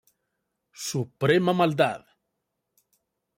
Suprema maldad!